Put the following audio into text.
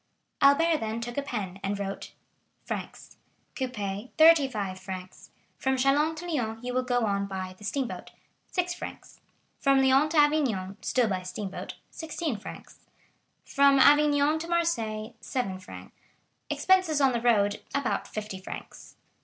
Albert then took a pen, and wrote: Frs. Coupé, thirty five francs........ ...................... 35. From Châlons to Lyons you will go on by the steamboat.. 6. From Lyons to Avignon (still by steamboat).... ......... 16. From Avignon to Marseilles, seven francs........ ....... 7. Expenses on the road, about fifty francs........ .......